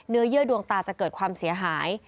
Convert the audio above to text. เยื่อดวงตาจะเกิดความเสียหาย